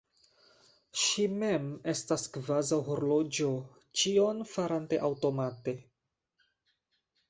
Ŝi mem estas kvazaŭ horloĝo, ĉion farante aŭtomate.